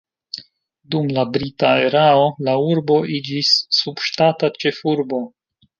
Dum la brita erao la urbo iĝis subŝtata ĉefurbo.